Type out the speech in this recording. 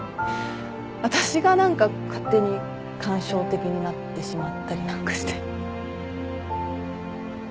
私が何か勝手に感傷的になってしまったりなんかして。